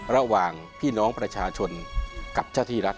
ระหว่างพี่น้องประชาชนกับเจ้าที่รัฐ